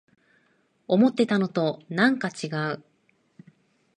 思ってたのとなんかちがう